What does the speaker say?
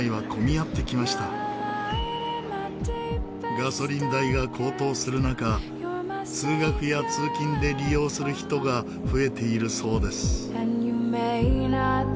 ガソリン代が高騰する中通学や通勤で利用する人が増えているそうです。